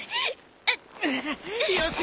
よし！